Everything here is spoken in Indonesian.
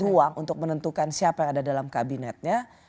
ruang untuk menentukan siapa yang ada dalam kabinetnya